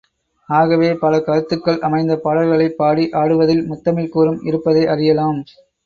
ஆகவே, பல கருத்துகள் அமைந்த பாடல்களைப் பாடி ஆடுவதில் முத்தமிழ்க் கூறும் இருப்பதை அறியலாம்.